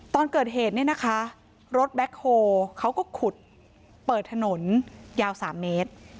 ตอนเกิดเหตุเนี่ยนะคะรถแบ็คโฮเขาก็ขุดเปิดถนนยาว๓เมตร